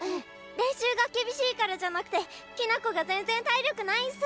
練習が厳しいからじゃなくてきな子が全然体力ないんす。